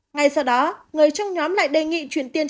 ngay sau đó người trong nhóm lại đề nghị chuyển tiền